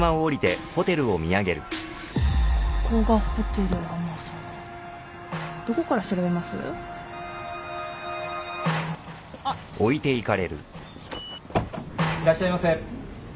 いらっしゃいませ。